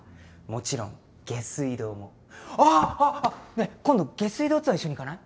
ねえ今度下水道ツアー一緒に行かない？